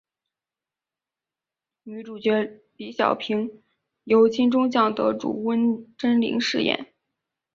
女主角李晓萍由金钟奖得主温贞菱饰演。